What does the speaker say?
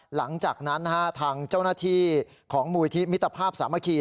หลังจากนั้นทางเจ้าหน้าที่ของมูลที่มิตรภาพสามัคคี